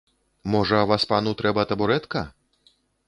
Можа, васпану трэба табурэтка?